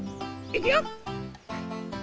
いくよ！